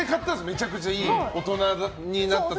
めちゃくちゃいいの大人になって。